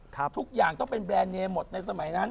ทุกอย่างต้องเป็นแบรนดเนมหมดในสมัยนั้น